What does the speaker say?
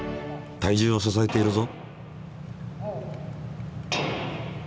体重を支えているぞ。